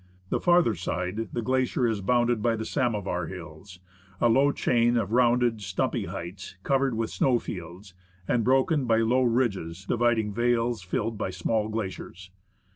The farther side the glacier is bounded by the Samovar Hills, a low chain of rounded, stumpy heights covered with snow fields, and broken by low ridges dividing vales filled by small glaciers.